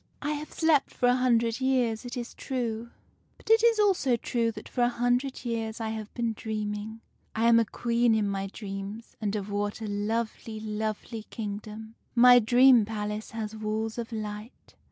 "'I have slept for a hundred years, it is true ; but it is also true that for a hundred years I have been dreaming. I am a Queen in my dreams, and of what a lovely, lovely kingdom ! My dream palace has walls of light.